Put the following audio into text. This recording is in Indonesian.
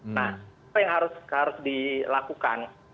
nah apa yang harus dilakukan